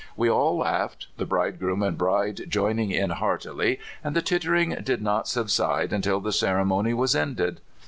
We all laughed, the bridegroom and bride joining in heartily, and the tittering did not subside until the ceremony was ended.